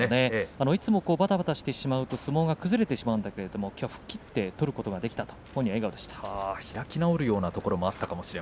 いつもばたばたしてしまうと相撲が崩れてしまうんだけれどもきょうは吹っ切って取ることができたと本人は笑顔でした。